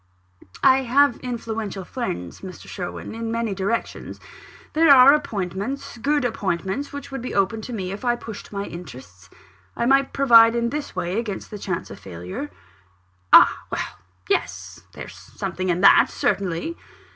"I have influential friends, Mr. Sherwin, in many directions there are appointments, good appointments, which would be open to me, if I pushed my interests. I might provide in this way against the chance of failure." "Ah! well yes. There's something in that, certainly."